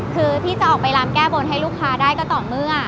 คือที่จะออกไปลำแก้บนให้ลูกค้าได้ก็ต่อเมื่อ